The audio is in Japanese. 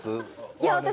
いや私